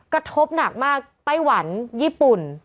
กระทบหนักมากไต้หวันญี่ปุ่น